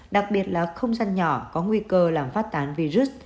đặc biệt là không gian nhỏ có nguy cơ làm phát tán virus